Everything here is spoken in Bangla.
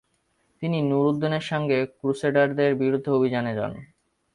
তিনি নুরউদ্দিনের সাথে ক্রুসেডারদের বিরুদ্ধে অভিযানে যান।